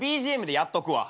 ＢＧＭでやっとくわ。